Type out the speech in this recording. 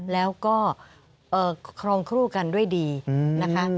แล้วก็ครองคู่กันด้วยดีนะคะ